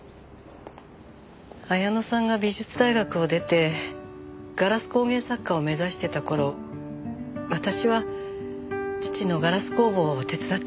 彩乃さんが美術大学を出てガラス工芸作家を目指してた頃私は父のガラス工房を手伝っていました。